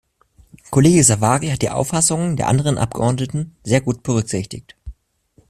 Kollege Savary hat die Auffassungen der anderen Abgeordneten sehr gut berücksichtigt.